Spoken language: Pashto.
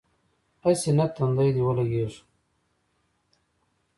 هسې نه تندی دې ولګېږي.